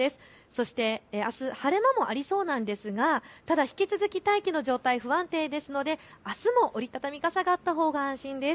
そしてあす、晴れ間もありそうですが、引き続き大気の状態不安定ですので、あすも折り畳み傘があったほうが安心です。